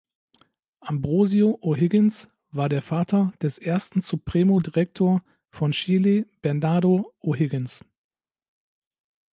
Ambrosio O’Higgins war der Vater des ersten Supremo Director von Chile Bernardo O’Higgins.